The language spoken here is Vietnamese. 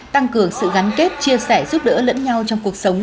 tăng cường sự gắn kết chia sẻ giúp đỡ lẫn nhau trong cuộc sống